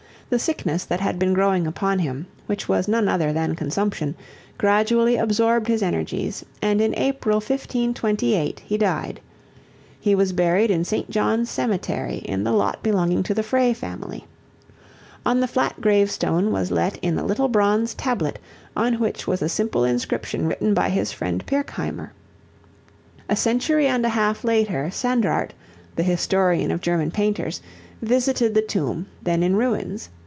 The sickness that had been growing upon him, which was none other than consumption, gradually absorbed his energies and in April, 1528, he died. He was buried in St. John's Cemetery in the lot belonging to the Frey family. On the flat gravestone was let in a little bronze tablet on which was a simple inscription written by his friend Pirkheimer. A century and a half later Sandrart, the historian of German painters, visited the tomb, then in ruins.